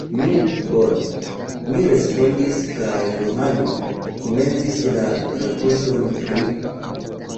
Nu, bone! mi respondis, kaj Johano komencis la rakonton pri: